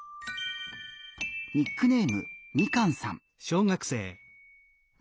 ニックネーム「みかん。」さん。